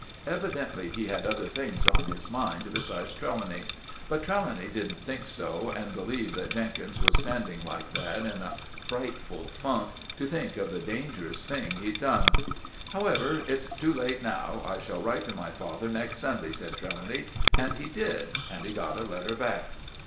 Evidently he had other things on his mind besides Trelawny; but Trelawny didn't think so, and believed that Jenkins was standing like that in a frightful funk to think of the dangerous thing he'd done. "However, it's too late now; I shall write to my father next Sunday," said Trelawny; and he did, and he got a letter back.